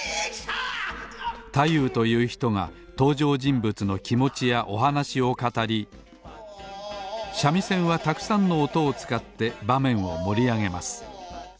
「たゆう」というひとがとうじょうじんぶつのきもちやおはなしをかたりしゃみせんはたくさんのおとをつかってばめんをもりあげます。